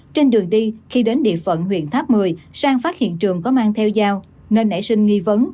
trên đường đi khi đến địa phận huyện tháp một mươi sang phát hiện trường có mang theo dao nên nảy sinh nghi vấn